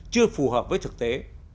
chưa phù hợp với thực tế